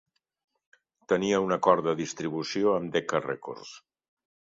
Tenia un acord de distribució amb Decca Records.